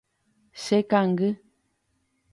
Chekangy.